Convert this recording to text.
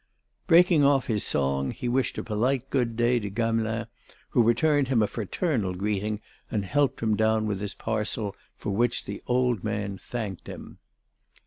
Breaking off his song, he wished a polite good day to Gamelin, who returned him a fraternal greeting and helped him down with his parcel, for which the old man thanked him.